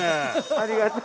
◆ありがとう。